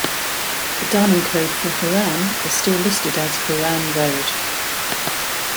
The dialling code for Horam is still listed as 'Horam Road'.